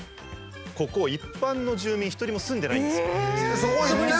ここ一般の住民一人も住んでないんですよ。